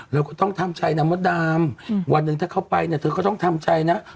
เราก็ต้องทำใจนะมดดำวันหนึ่งถ้าเขาไปเนี่ยเธอก็ต้องทำใจนะ